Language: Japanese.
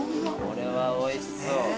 これはおいしそう。